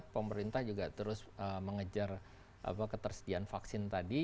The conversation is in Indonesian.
pemerintah juga terus mengejar ketersediaan vaksin tadi